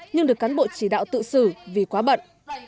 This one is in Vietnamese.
nhưng được cán bộ chỉ đạo tự xử vì quá bận